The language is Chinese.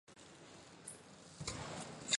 聚乙烯按其密度和分支分类。